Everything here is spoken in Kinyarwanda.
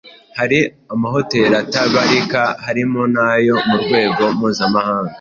Hari amahoteri atabarika harimo n’ayo mu rwego mpuzamahanga